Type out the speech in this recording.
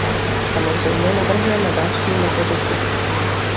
Samozřejmě navrhujeme další metodiky.